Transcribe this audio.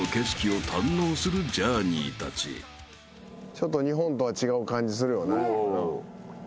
ちょっと日本とは違う感じするよね。